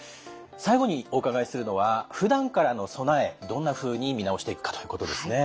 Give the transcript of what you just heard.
最後にお伺いするのはふだんからの備えどんなふうに見直していくかということですね。